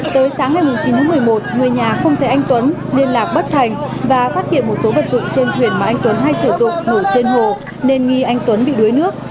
tới sáng ngày chín tháng một mươi một người nhà không thấy anh tuấn liên lạc bất thành và phát hiện một số vật dụng trên thuyền mà anh tuấn hay sử dụng ngủ trên hồ nên nghi anh tuấn bị đuối nước